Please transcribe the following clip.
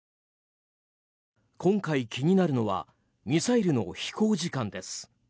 今回、気になるのはミサイルの飛行時間です。